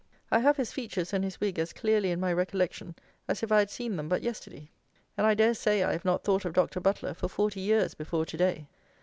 I have his features and his wig as clearly in my recollection as if I had seen them but yesterday; and I dare say I have not thought of Doctor Butler for forty years before to day.